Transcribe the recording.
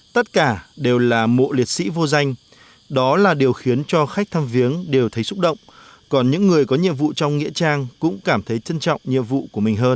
tất cả đều là mộ liệt sĩ vô danh đó là điều khiến cho khách thăm viếng đều thấy xúc động còn những người có nhiệm vụ trong nghĩa trang cũng cảm thấy trân trọng nhiệm vụ của mình hơn